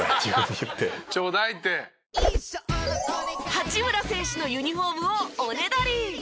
八村選手のユニホームをおねだり。